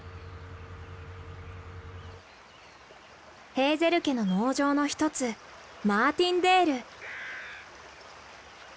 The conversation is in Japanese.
ヘーゼル家の農場の一つマーティンデール。